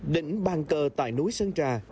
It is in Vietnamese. đỉnh bàn cờ tại núi sơn trà